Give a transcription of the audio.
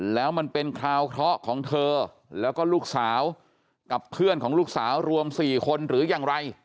แล้วมันเป็นคราวเคราะห์ของเธอแล้วก็ลูกสาวกับเพื่อนของลูกสาวรวม๔คนหรือยังไร